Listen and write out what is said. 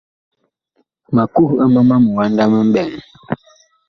Ma kuh ɛ mama miwanda mi mɓɛɛŋ.